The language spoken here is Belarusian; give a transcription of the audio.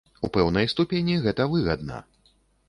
У пэўнай ступені гэта выгадна.